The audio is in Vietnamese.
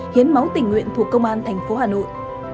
hiến máu tình nguyện thuộc công an tp hà nội